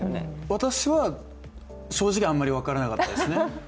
私は正直あんまり分からなかったですね。